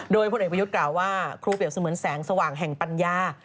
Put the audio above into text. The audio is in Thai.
โดยพลเอกประยุทธ์กล่าวว่าครูเปรียบเสมือนแสงสว่างแห่งปัญญา